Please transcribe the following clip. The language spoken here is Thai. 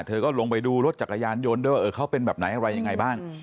เธอก็ลงไปดูรถจักรยานยนต์ด้วยว่าเขาเป็นแบบไหนอะไรยังไงบ้าง